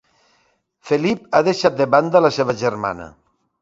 Felip ha deixat de banda la seva germana.